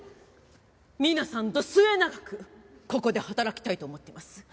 皆さんと末長くここで働きたいと思っています。